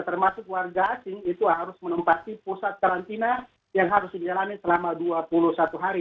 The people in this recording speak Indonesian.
termasuk warga asing itu harus menempati pusat karantina yang harus dijalani selama dua puluh satu hari